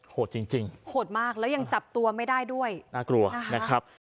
โหดจริงจริงโหดมากแล้วยังจับตัวไม่ได้ด้วยน่ากลัวนะครับ